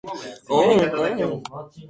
おーん